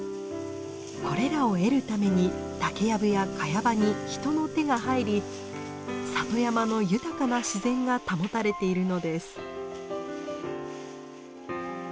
これらを得るために竹やぶやカヤ場に人の手が入り里山の豊かな自然が保たれているのです。